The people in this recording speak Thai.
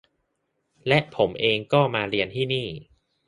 และผมเองก็มาเรียนที่นี่